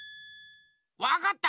わかった！